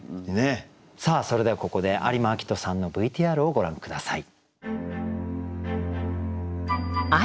それではここで有馬朗人さんのＶＴＲをご覧下さい。